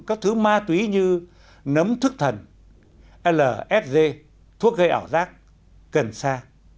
các thứ ma túy như nấm thức thần lsg thuốc gây ảo giác cần sa